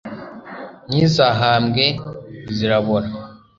ntizahambwe zirabora